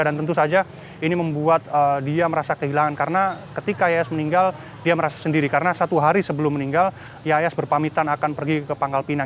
dan tentu saja ini membuat dia merasa kehilangan karena ketika yayas meninggal dia merasa sendiri karena satu hari sebelum meninggal yayas berpamitan akan pergi ke pangkal pinang